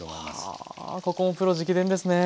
はあここもプロ直伝ですね！